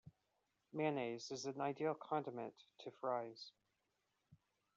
Mayonnaise is an ideal condiment to Fries.